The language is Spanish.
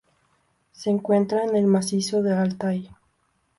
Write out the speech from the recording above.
Se encuentra en el macizo de Altai.